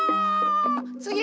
つぎ。